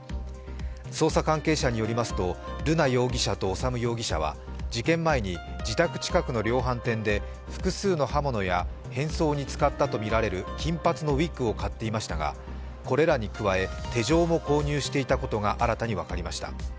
捜査関係者によりますと、瑠奈容疑者と修容疑者は事件前に自宅近くの量販店で複数の刃物や変装に使ったとみられる金髪のウイッグを買っていましたがこれらに加え手錠も購入していたことも新たに分かりました。